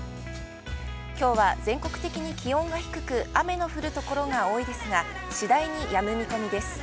きょうは、全国的に気温が低く、雨の降る所が多いですが、次第にやむ見込みです。